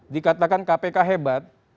dikatakan kpk hebat